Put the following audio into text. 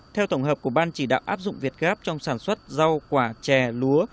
theo tổng hợp của ban chỉ đạo áp dụng việt gáp trong sản xuất rau quả chè lúa